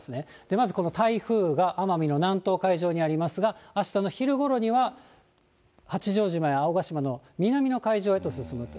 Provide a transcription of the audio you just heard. まずこの台風が、奄美の南東海上にありますが、あしたの昼ごろには、八丈島や青ヶ島の南の海上へと進むと。